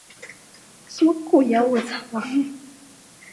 因为阴茎射精前流出的液体就足以造成性病传染或怀孕。